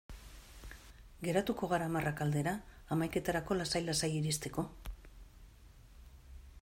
Geratuko gara hamarrak aldera, hamaiketarako lasai-lasai iristeko?